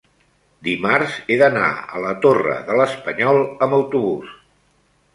dimarts he d'anar a la Torre de l'Espanyol amb autobús.